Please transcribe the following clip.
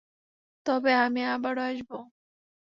তবে, আমি আবারও আসব।